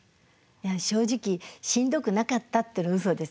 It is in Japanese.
正直しんどくなかったっていうのはうそです。